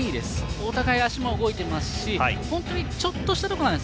お互い、足も動いていますので本当にちょっとしたところなんです。